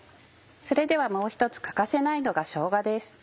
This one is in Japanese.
それではもう一つ欠かせないのがしょうがです。